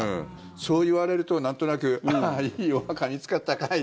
そう言われるとなんとなくああ、いいお墓見つかったかい？